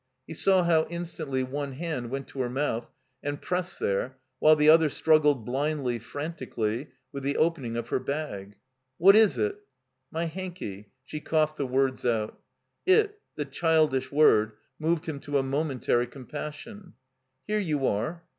He saw how instantly one hand went to her mouth and pressed there while the other struggled blindly, frantically, with the opening of her bag. "What is it?" '' My hanky —" She coughed the words out. It, the childish word, moved him to a momentary compassion. "Here you are."